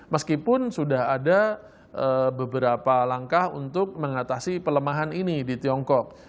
meskipun sudah ada beberapa langkah untuk mengatasi pelemahan ini di tiongkok